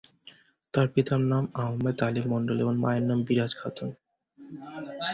তার পিতার নাম আহমেদ আলী মন্ডল এবং মায়ের নাম বিরাজ খাতুন।